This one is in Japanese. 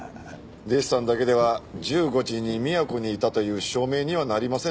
デッサンだけでは１５時に宮古にいたという証明にはなりませんね。